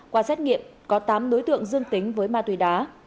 qua xét nghiệm có tám đối tượng dương tính với ma túy đá